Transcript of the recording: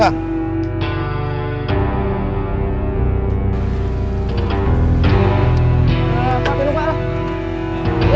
pak pindu pak lah